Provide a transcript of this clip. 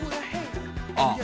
あっ